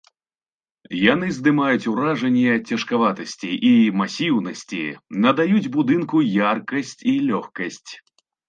Яны здымаюць уражанне цяжкаватасці і масіўнасці, надаюць будынку яркасць і лёгкасць.